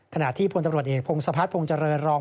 ขณะที่พลตำรวจเอกพงศพัฒนภงเจริญรอง